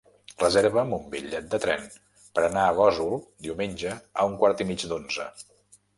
Reserva'm un bitllet de tren per anar a Gósol diumenge a un quart i mig d'onze.